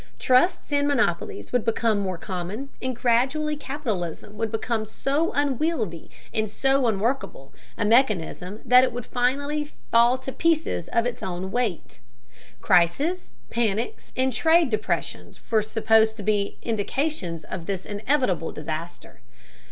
Trusts and monopolies would become more common, and gradually capitalism would become so unwieldy and so unworkable a mechanism that it would finally fall to pieces of its own weight. Crises, panics, and trade depressions were supposed to be indications of this inevitable disaster.